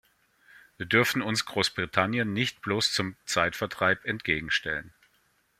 Wir dürfen uns Großbritannien nicht bloß zum Zeitvertreib entgegenstellen.